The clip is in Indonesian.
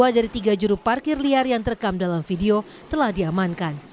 dua dari tiga juru parkir liar yang terekam dalam video telah diamankan